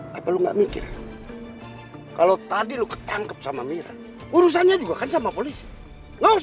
hai apa lu nggak mikir kalau tadi lu ketangkep sama mira urusannya juga kan sama polisi lu